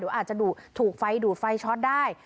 อาจจะดูถูกไฟดูดไฟช็อตได้